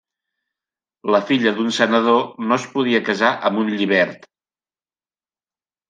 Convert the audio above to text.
La filla d'un senador no es podia casar amb un llibert.